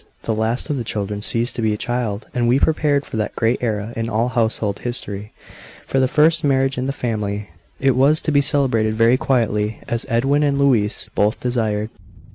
The last of the children ceased to be a child; and we prepared for that great era in all household history, the first marriage in the family. It was to be celebrated very quietly, as Edwin and Louise both desired.